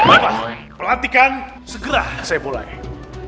apa pelantikan segera saya mulai